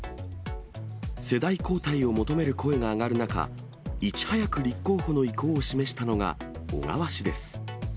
世代交代を求める声が上がる中、いち早く立候補の意向を示したのが小川氏です。